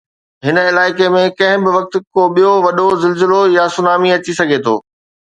هن علائقي ۾ ڪنهن به وقت ڪو ٻيو وڏو زلزلو يا سونامي اچي سگهي ٿو.